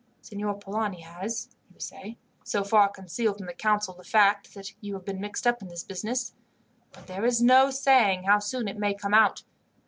"Signor Polani has, you say, so far concealed from the council the fact that you have been mixed up in this business; but there is no saying how soon it may come out.